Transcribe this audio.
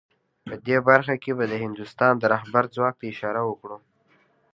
په دې برخه کې به د هندوستان د رهبر ځواک ته اشاره وکړو